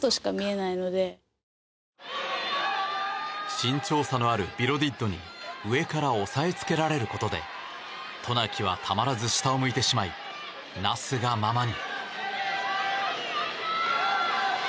身長差のあるビロディッドに上から押さえつけられることで渡名喜はたまらず下を向いてしまいなすがままに。